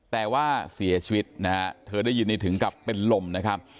แต่ว่าเสียชีวิตนะฮะเธอได้ยินนี่ถึงกับเป็นลมนะครับ